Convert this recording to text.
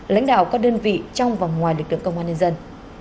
lãnh đạo các đơn vị trong và ngoài lực lượng công an nhân dân